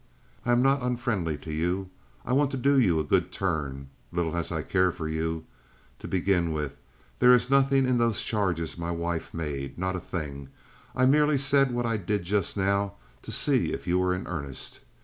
I am not unfriendly to you. I want to do you a good turn, little as I care for you. To begin with, there is nothing in those charges my wife made, not a thing. I merely said what I did just now to see if you were in earnest.